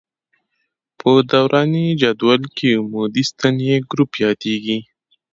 په دوراني جدول کې عمودي ستنې ګروپ یادیږي.